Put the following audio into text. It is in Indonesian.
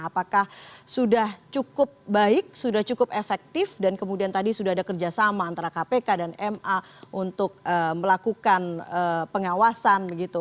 apakah sudah cukup baik sudah cukup efektif dan kemudian tadi sudah ada kerjasama antara kpk dan ma untuk melakukan pengawasan begitu